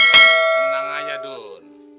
tenang aja dun